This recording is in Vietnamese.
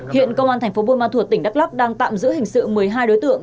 hiện công an tp buôn ma thuột tỉnh đắk lắk đang tạm giữ hình sự một mươi hai đối tượng